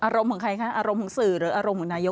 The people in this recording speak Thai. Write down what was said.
ของใครคะอารมณ์ของสื่อหรืออารมณ์ของนายก